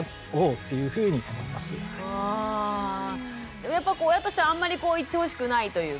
でもやっぱり親としてはあんまり言ってほしくないというか。